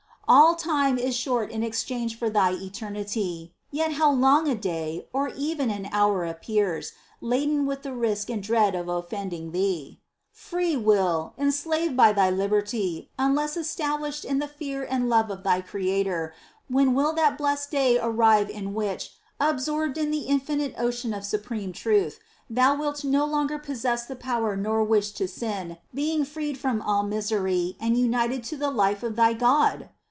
^ All time is short in exchange for Thine eternity, yet how long a day, or even an hour appears, laden with the risk and dread of oñending Thee ! 10. Free will ! enslaved by thy liberty, unless established in the fear and love of thy Creator, when will that blessed day arrive in which, absorbed in the infinite ocean of supreme Truth, thou wilt no longer possess the power nor wish to sin, being freed from all misery, and united to the life of thy God